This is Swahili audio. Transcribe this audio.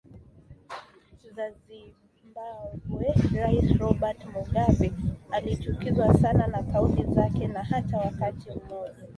za Zimbabwe Rais Robert Mugabe alichukizwa sana na kauli zake na hata wakati mmoja